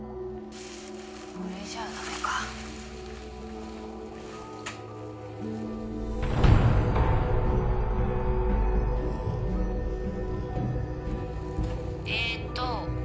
これじゃダメかえっと